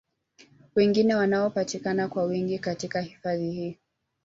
wengine wanaopatikana kwa wingi katika hifadhi hii